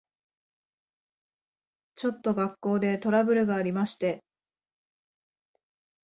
ちょっと学校でトラブルがありまして。